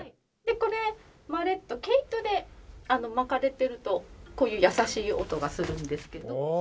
これマレット毛糸で巻かれてるとこういう優しい音がするんですけど。